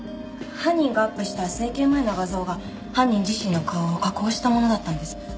犯人がアップした整形前の画像が犯人自身の顔を加工したものだったんです。